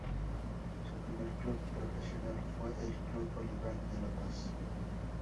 Su primer club profesional fue el Club Bolívar de La Paz.